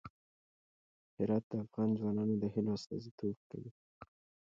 هرات د افغان ځوانانو د هیلو استازیتوب کوي.